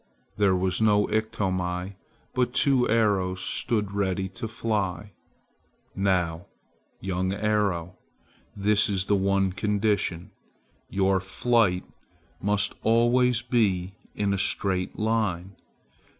There was no Iktomi, but two arrows stood ready to fly. "Now, young arrow, this is the one condition. Your flight must always be in a straight line.